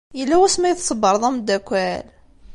Yella wasmi ay tṣebbreḍ ameddakel?